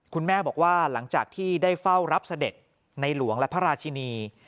คุณแม่บอกว่าหลังจากที่ได้เฝ้ารับเสด็จในหลวงและพระราชินี